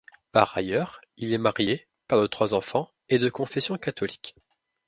Par ailleurs, il est marié, père de trois enfants et de confession catholique.